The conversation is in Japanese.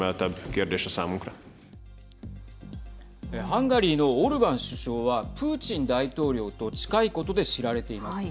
ハンガリーのオルバン首相はプーチン大統領と近いことで知られています。